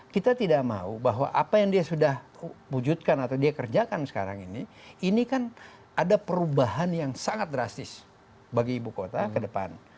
kita tidak mau bahwa apa yang dia sudah wujudkan atau dia kerjakan sekarang ini ini kan ada perubahan yang sangat drastis bagi ibu kota ke depan